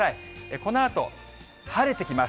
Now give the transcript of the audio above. このあと、晴れてきます。